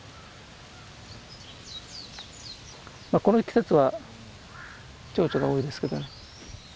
この季節は蝶々が多いですけどね。